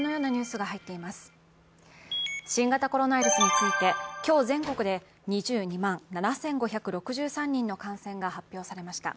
新型コロナウイルスについて今日、全国で２２万７５６３人の感染が発表されました。